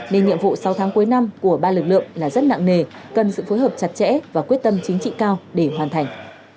nên nhiệm vụ sáu tháng cuối năm của ba lực lượng là rất nặng nề cần sự phối hợp chặt chẽ và quyết tâm chính trị cao để hoàn thành